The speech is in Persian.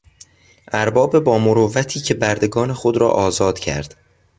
ارباب با مروتی که بردگان خود را آزاد کرد.